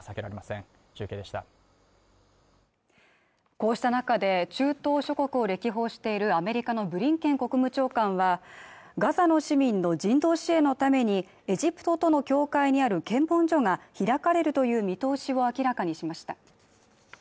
こうした中で中東諸国を歴訪しているアメリカのブリンケン国務長官はガザの市民の人道支援のためにエジプトとの境界にある検問所が開かれるという見通しを明らかにしました